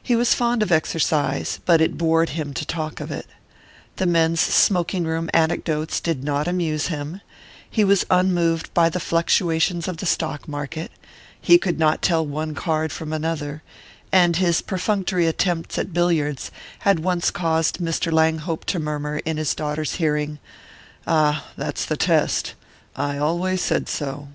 He was fond of exercise, but it bored him to talk of it. The men's smoking room anecdotes did not amuse him, he was unmoved by the fluctuations of the stock market, he could not tell one card from another, and his perfunctory attempts at billiards had once caused Mr. Langhope to murmur, in his daughter's hearing: "Ah, that's the test I always said so!"